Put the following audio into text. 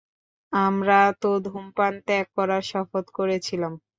আমরা তো ধূমপান ত্যাগ করার শপথ করেছিলাম।